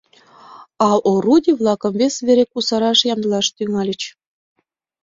А орудий-влакым вес вере кусараш ямдылаш тӱҥальыч.